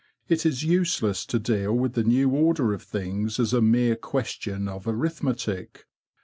It is useless to deal with the new order of things as a mere question of arithmetic.